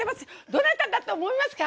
どなただと思いますか？